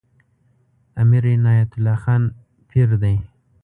امیر عنایت الله خان پیر دی.